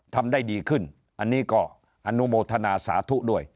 ทำได้ดีขึ้นอันนี้ก็อนุโมทนาสาธุด้วย